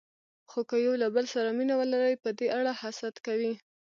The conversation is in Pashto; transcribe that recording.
خو که یو له بل سره مینه ولري، په دې اړه حسد کوي.